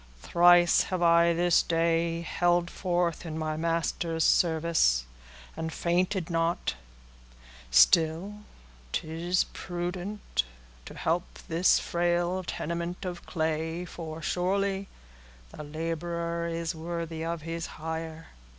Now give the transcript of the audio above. "Thrice have I this day held forth in my Master's service, and fainted not; still it is prudent to help this frail tenement of clay, for, surely, 'the laborer is worthy of his hire.